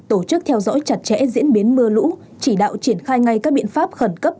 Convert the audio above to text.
tổ chức theo dõi chặt chẽ diễn biến mưa lũ chỉ đạo triển khai ngay các biện pháp khẩn cấp